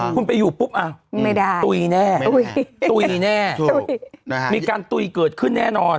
คุณไปอยู่ปุ๊บอ่ะตุยแน่มีการตุยเกิดขึ้นแน่นอน